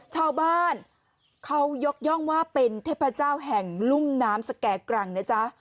ชาวบ้านเขายกย่องว่าเป็นเทพเจ้าแห่งลุ่มน้ำสแก่กรังนะจ๊ะ